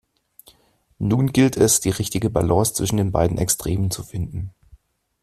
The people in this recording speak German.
Nun gilt es, die richtige Balance zwischen beiden Extremen zu finden.